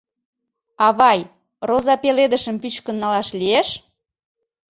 — Авай, роза пеледышым пӱчкын налаш лиеш?